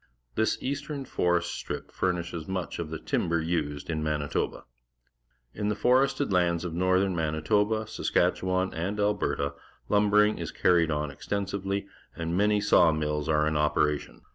This east ern forest strip furnishes much of the timber used in ^Manitoba. In the forested lands of northern Manitoba, Saskatchewan, and Alberta, lumbering is carried on extensively, and jTiany_§aw mill.s are in operation.